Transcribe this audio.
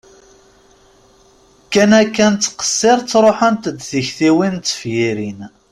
Kan akka nettqeṣṣiṛ ttṛuḥunt-d tiktiwin d tefyirin!